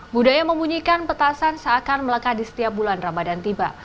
budaya membunyikan petasan seakan melekat di setiap bulan ramadan tiba